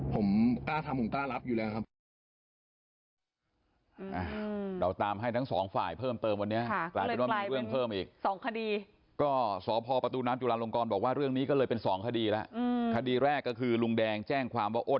ผมกล้าทำผมกล้ารับอยู่แล้วครับ